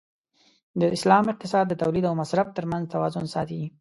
د اسلام اقتصاد د تولید او مصرف تر منځ توازن ساتي.